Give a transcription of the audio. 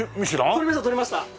取りました取りました。